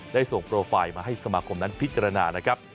ได้ส่งโปรไฟล์มาให้สมาคมนั้นพิจารณานะครับ